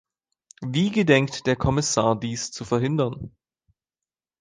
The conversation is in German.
Wie gedenkt der Kommissar dies zu verhindern?